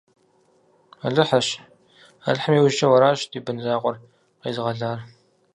Алыхьырщ, Алыхьым иужькӏэ уэращ ди бын закъуэр къезыгъэлар!